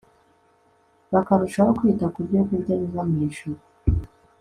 bakarushaho kwita ku byokurya biva mu ijuru